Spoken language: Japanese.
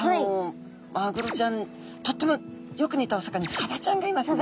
マグロちゃんとってもよく似たお魚サバちゃんがいますね。